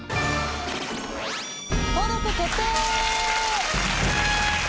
登録決定！